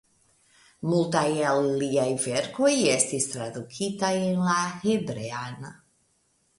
Multaj el liaj verkoj estis tradukitaj en la hebrean.